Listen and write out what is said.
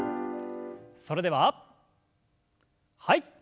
それでははい。